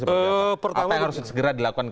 apa yang harus segera dilakukan